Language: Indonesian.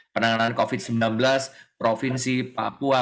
penanganan covid sembilan belas provinsi papua